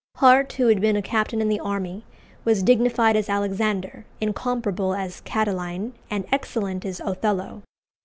Hart, who had been a captain in the army, was dignified as Alexander, incomparable as Catiline, and excellent as Othello.